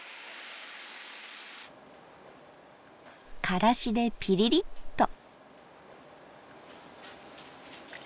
からしでピリリッと。